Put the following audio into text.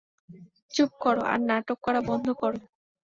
চুপ করো আর নাটক করা বন্ধ করো।